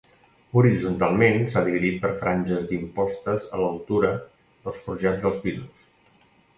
Horitzontalment s'ha dividit per franges d'impostes a l'altura dels forjats dels pisos.